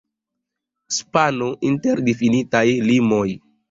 Spaco inter difinitaj limoj.